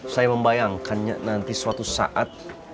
saya membayangkannya nanti suatu saat